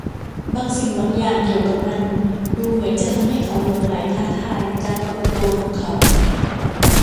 บางสิ่งบางอย่างเกี่ยวกับมันดูเหมือนจะทำให้เขาหลงใหลท้าทายการปรากฏตัวของเขา